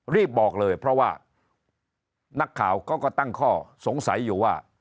รีบบอกเลยเพราะว่านักข่าวก็ตั้งข้อสงสัยอยู่ว่า